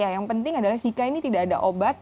yang penting adalah sika ini tidak ada obat